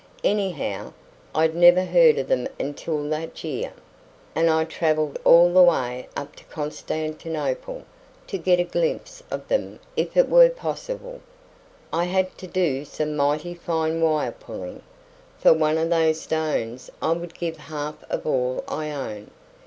Anyhow, I'd never heard of them until that year. And I travelled all the way up from Constantinople to get a glimpse of them if it were possible. I had to do some mighty fine wire pulling. For one of those stones I would give half of all I own.